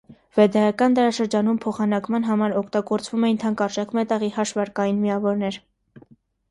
Վեդայական դարաշրջանում փոխանակման համար օգտագործվում էին թանկարժեք մետաղի հաշվարկային միավորներ։